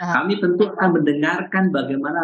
kami tentu akan mendengarkan bagaimana